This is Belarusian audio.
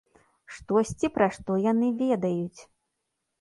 Штосьці, пра што яны ведаюць.